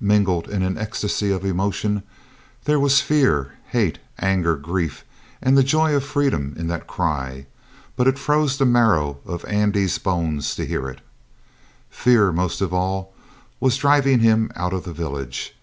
Mingled in an ecstasy of emotion, there was fear, hate, anger, grief, and the joy of freedom in that cry; but it froze the marrow of Andy's bones to hear it. Fear, most of all, was driving him out of the village.